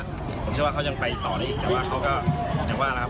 ผมเชื่อว่าเขายังไปต่อได้อีกแต่ว่าเขาก็อย่างว่านะครับ